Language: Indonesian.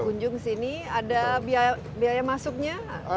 berkunjung sini ada biaya masuknya